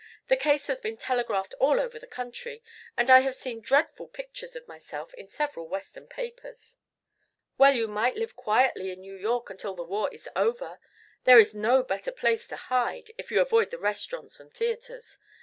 The case has been telegraphed all over the country, and I have seen dreadful pictures of myself in several Western papers." "Well, you might live quietly in New York until the war is over. There is no better place to hide if you avoid the restaurants and theatres.